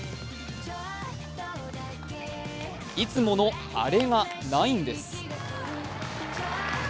いつものアレがないんです。